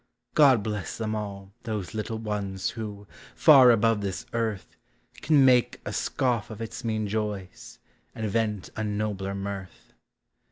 God bless them all, those little ones, who, far above this earth, Can make a scoff of its mean joys, and vent a nobler mirth.